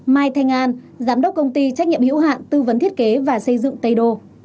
mai thanh an giám đốc công ty trách nhiệm hữu hạn tư vấn thiết kế và xây dựng t c